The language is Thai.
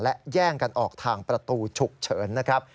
และแย่งกันออกทางประตูฉุกเฉินนะครับ